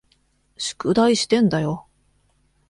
宿題してんだよ。